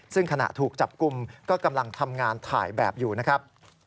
ซึ่งขณะถูกจับกลุ่มก็กำลังทำงานถ่ายแบบอยู่นะครับ